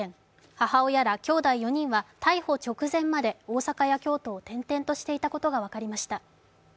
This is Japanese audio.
母親らきょうだい４人は逮捕直前まで大阪や京都を転々としていたことが分かりました。